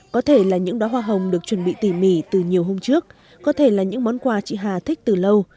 có thể là những đoá hoa hồng được chuẩn bị tỉ mỉ từ nhiều hôm trước có thể là những món quà chị hà thích từ lâu